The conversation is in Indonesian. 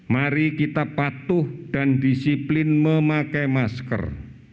mari kita patuh dan disiplin memakai masker